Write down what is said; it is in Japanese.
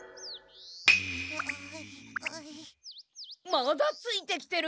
まだついてきてる！